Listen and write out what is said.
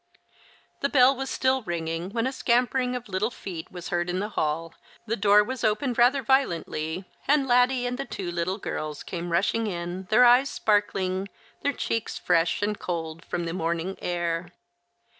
The bell was still ringing when a scampering of little feet was heard in the hall, the door was opened rather violently, and Laddie and the two little girls came rushing in, their eyes sparkling, their cheeks fresh and cold from the morning air.